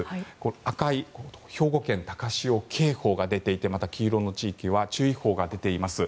赤い兵庫県、高潮警報が出ていてまた、黄色の地域は注意報が出ています。